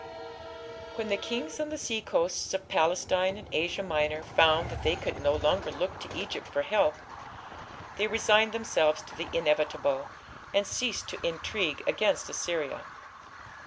When the kings on the seacoasts of Palestine and Asia Minor found that they could no longer look to Egypt for help, they resigned themselves to the inevitable, and ceased to intrigue against Assyria.